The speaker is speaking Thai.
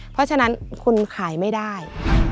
เพราะฉะนั้นคุณขายไม่ได้